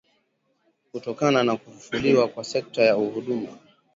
kutokana na kufufuliwa kwa sekta ya huduma